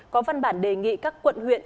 có văn bản đề nghị các quận huyện